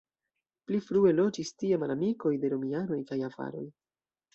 Pli frue loĝis tie malamikoj de romianoj kaj avaroj.